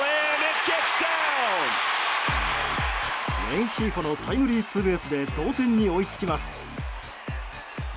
レンヒーフォのタイムリーツーベースで同点に追いつきます。